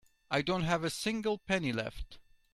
I don't have a single penny left.